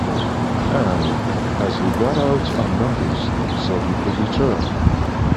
And, as he got out unnoticed, so he could return.